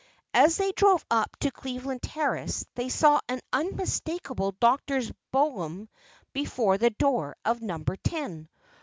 As they drove up to Cleveland Terrace they saw an unmistakable doctor's brougham before the door of Number Ten.